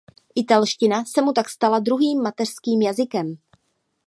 Italština se mu tak stala druhým mateřským jazykem.